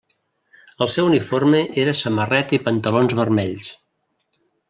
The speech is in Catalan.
El seu uniforme era samarreta i pantalons vermells.